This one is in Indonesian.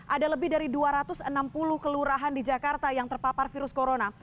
ada lebih dari dua ratus enam puluh kelurahan di jakarta yang terpapar virus corona